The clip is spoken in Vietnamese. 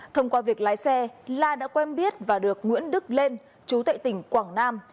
thông qua việc lái xe la đã quen biết và được nguyễn đức lên trú tại tỉnh quảng nam